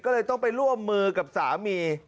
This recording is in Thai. ก็เลยต้องไปร่วมมือกับสามี